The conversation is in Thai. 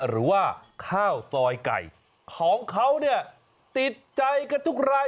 หรือว่าข้าวซอยไก่ของเขาเนี่ยติดใจกันทุกราย